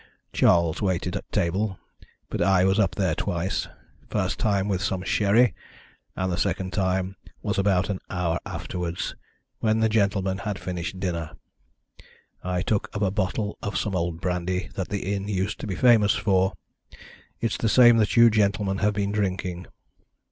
Charles waited at table, but I was up there twice first time with some sherry, and the second time was about an hour afterwards, when the gentlemen had finished dinner. I took up a bottle of some old brandy that the inn used to be famous for it's the same that you gentlemen have been drinking.